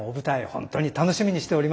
本当に楽しみにしております。